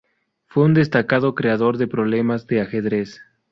Fue un destacado creador de problemas de Ajedrez.